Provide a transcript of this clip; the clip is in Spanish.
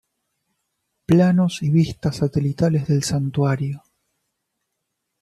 Planos y vistas satelitales del santuario.